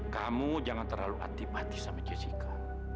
kamu jangan terlalu hati hati sama jessica